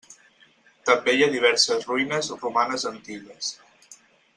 També hi ha diverses ruïnes romanes antigues.